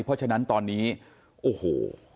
เพราะฉะนั้นตอนนี้โอ้โห